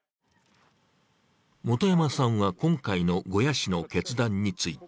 元山さんは、今回の呉屋氏の決断について